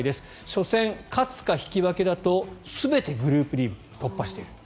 初戦勝つか引き分けだと全てグループリーグ突破している。